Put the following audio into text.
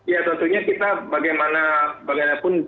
ya tentunya kita bagaimanapun